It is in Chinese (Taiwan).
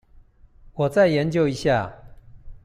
我再研究一下